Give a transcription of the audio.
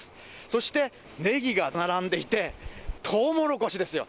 そして、ネギが並んでいて、トウモロコシですよ。